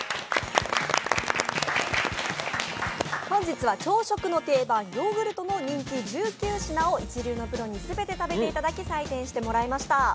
本日は朝食の定番ヨーグルトの人気１９品を一流のプロに全て食べていただき採点していただきました。